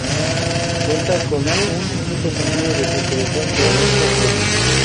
Cuenta con un único sentido de circulación de norte a sur.